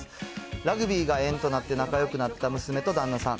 ラグビーが縁となって仲よくなった娘と旦那さん。